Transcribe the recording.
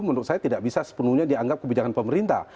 menurut saya tidak bisa sepenuhnya dianggap kebijakan pemerintah